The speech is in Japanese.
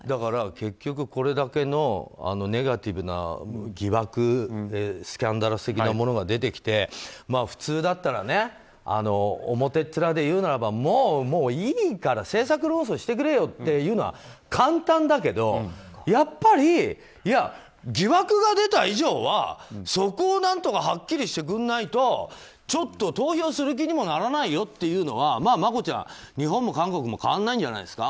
結局これだけのネガティブな疑惑スキャンダラス的なものが出てきて普通だったら表っ面で言うならばもういいから政策論争してくれよって言うのは簡単だけどやっぱり、疑惑が出た以上はそこを何とかはっきりしてくれないとちょっと投票する気にもならないよっていうのはマコちゃん、日本も韓国も変わらないんじゃないですか。